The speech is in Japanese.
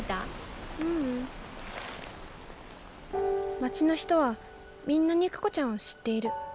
町の人はみんな肉子ちゃんを知っている。